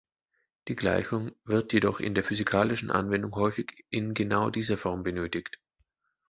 Die Gleichung wird jedoch in der physikalischen Anwendung häufig in genau dieser Form benötigt.